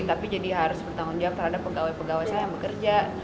tapi jadi harus bertanggung jawab terhadap pegawai pegawai saya yang bekerja